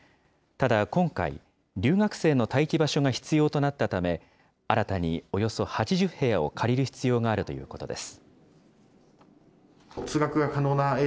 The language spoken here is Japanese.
ただ、今回、留学生の待機場所が必要となったため、新たにおよそ８０部屋を借りる必要があるということです。